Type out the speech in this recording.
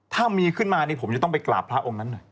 ถ้ามีขึ้นมานี่ผมจะต้องไปกราบพระองค์นั้นหน่อย